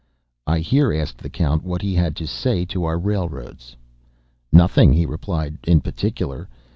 I here asked the Count what he had to say to our railroads. "Nothing," he replied, "in particular."